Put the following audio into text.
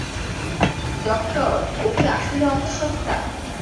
Doctor, ও কি আসলে অন্তঃসত্ত্বা?